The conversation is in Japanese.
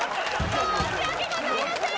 ・申し訳ございません！